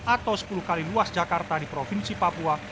atau sepuluh kali luas jakarta di provinsi papua